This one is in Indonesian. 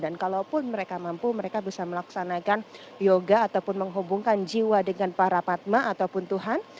dan kalau pun mereka mampu mereka bisa melaksanakan yoga ataupun menghubungkan jiwa dengan para patma ataupun tuhan